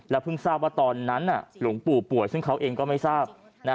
เพิ่งทราบว่าตอนนั้นหลวงปู่ป่วยซึ่งเขาเองก็ไม่ทราบ